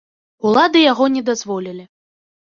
Улады яго не дазволілі.